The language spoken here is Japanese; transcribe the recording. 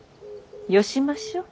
よしましょう。